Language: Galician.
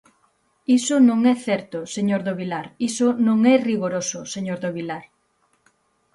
Iso non é certo, señor do Vilar; iso non é rigoroso, señor do Vilar.